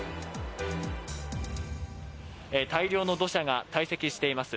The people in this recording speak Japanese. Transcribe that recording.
大量の土砂が堆積しています。